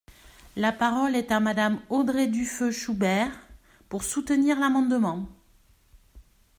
La parole est à Madame Audrey Dufeu Schubert, pour soutenir l’amendement.